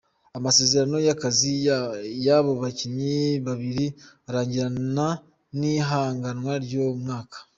Amasezerano y'akazi y'abo bakinyi babiri arangirana n'ihiganwa ry'uno mwaka.